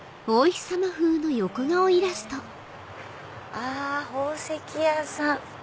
あっ宝石屋さん。